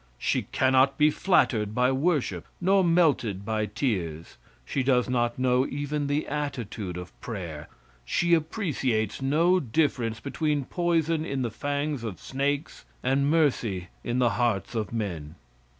She cannot be flattered by worship nor melted by tears. She does not know even the attitude of prayer. She appreciates no difference between poison in the fangs of snakes and mercy in the hearts of men.